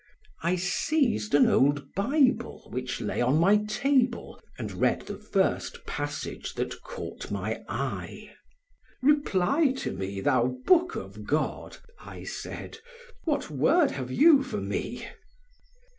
I seized an old Bible which lay on my table and read the first passage that caught my eye. "Reply to me, thou book of God," I said, "what word have you for me?"